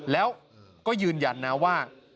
แล้วก็ยืนยันนะว่า